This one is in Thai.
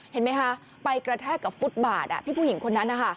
เห็นไหมคะไปกระแทกกับฟุตบาทพี่ผู้หญิงคนนั้นนะคะ